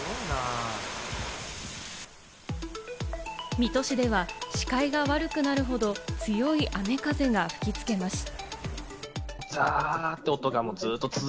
水戸市では視界が悪くなるほど強い雨風が吹きつけました。